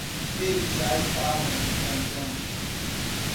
Eles já estavam cantando.